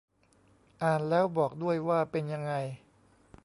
อ่านแล้วบอกด้วยว่าเป็นยังไง